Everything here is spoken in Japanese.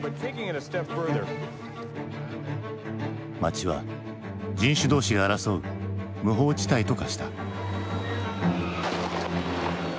街は人種同士が争う無法地帯と化した。